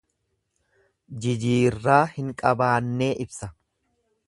Jijiirraa hin qabaannee ibsa.